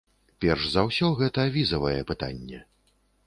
Перш за ўсё гэта візавае пытанне.